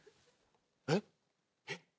えっ？えっ？